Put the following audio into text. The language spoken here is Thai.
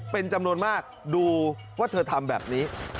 เป็นจำนวนมากดูว่าเธอทำแบบนี้